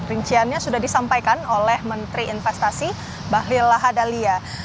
rinciannya sudah disampaikan oleh menteri investasi bahlil lahadalia